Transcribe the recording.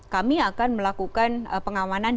kami akan melakukan pengawalan